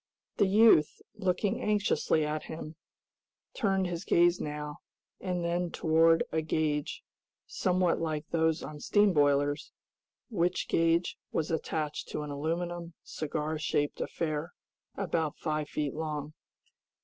The youth, looking anxiously at him, turned his gaze now and then toward a gauge, somewhat like those on steam boilers, which gauge was attached to an aluminum, cigar shaped affair, about five feet long.